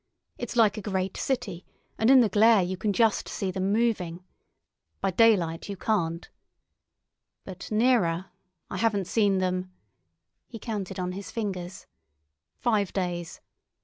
It's like a great city, and in the glare you can just see them moving. By daylight you can't. But nearer—I haven't seen them—" (he counted on his fingers) "five days.